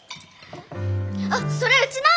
あっそれうちの！